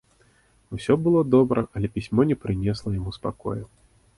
Усё было добра, але пісьмо не прынесла яму спакою.